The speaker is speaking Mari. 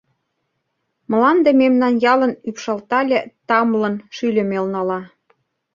Мланде мемнан ялын ӱпшалтале тамлын шӱльӧ мелнала.